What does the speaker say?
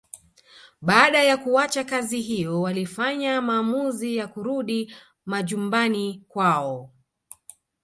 Baada ya kuacha kazi hiyo walifanya maamuzi ya kurudi majumbani kwao